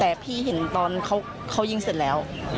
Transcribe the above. แต่พี่เห็นตอนเขายิงเสร็จแล้ว